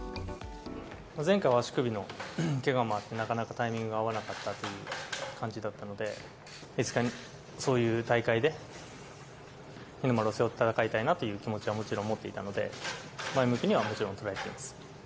前回は足首のけがもあって、なかなかタイミング合わなかったという感じだったので、いつかそういう大会で、日の丸を背負って戦いたいなという気持ちはもちろん持っていたので、前向きにはもちろん捉えています。